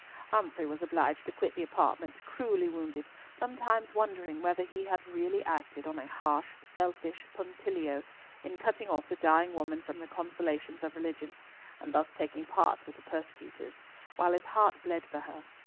Humfrey was obliged to quit the apartment, cruelly wounded, sometimes wondering whether he had really acted on a harsh selfish punctilio in cutting off the dying woman from the consolations of religion, and thus taking part with the persecutors, while his heart bled for her.